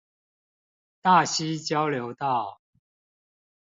大溪交流道